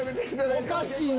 おかしいわ。